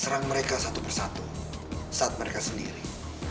serang mereka satu persatu saat mereka sendiri